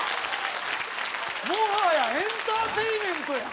もはやエンターテインメントやん！